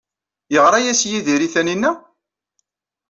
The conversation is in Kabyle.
Yeɣra-as Yidir i Taninna?